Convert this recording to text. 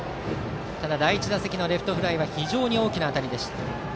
ただ、第１打席のレフトフライは非常に大きな当たりでした。